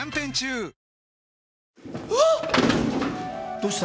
どうした？